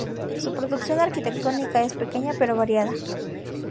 Su producción arquitectónica es pequeña pero variada.